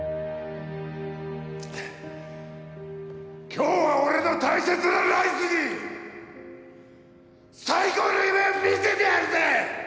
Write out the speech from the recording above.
今日は俺の大切なライスに最高の夢を見せてやるぜ！